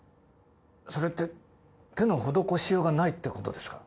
それって手の施しようがないってことですか？